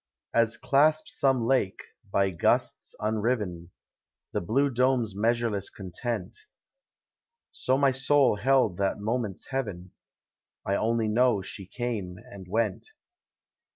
As clasps some lake, by gusts unriven. The blue dome's measureless content. So my soul held that moment's heaven;— 1 only know she came and went.